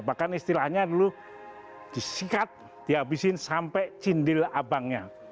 bahkan istilahnya dulu disikat dihabisin sampai cindil abangnya